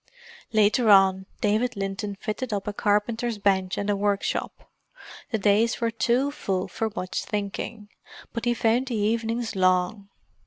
Later on, David Linton fitted up a carpenter's bench and a workshop; the days were too full for much thinking, but he found the evenings long.